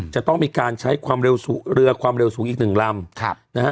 จะต้องมีการใช้เรือความเร็วสูงอีก๑ลำ